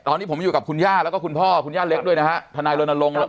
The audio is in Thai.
ตอนนี้ผมอยู่กับคุณย่าแล้วก็คุณพ่อคุณย่าเล็กด้วยนะฮะทนายรณรงค์